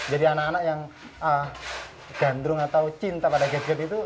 jadi anak anak yang gandrung atau cinta pada gadget itu